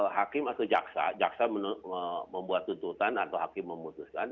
hakim atau jaksa jaksa membuat tuntutan atau hakim memutuskan